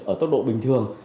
ở tốc độ bình thường